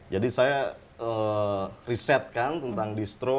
jadi saya risetkan tentang distro